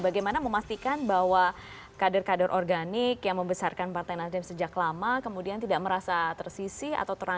bagaimana memastikan bahwa kader kader organik yang membesarkan partai nasdem sejak lama kemudian tidak merasa tersisih atau terang